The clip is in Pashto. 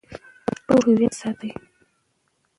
پښتو هویت ساتي.